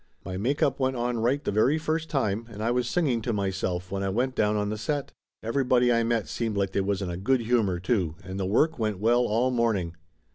My make up went on right the very first time, and I was singing to myself when I went down on the set. Everybody I met seemed like they was in a good humor, too, and the work went well all morning.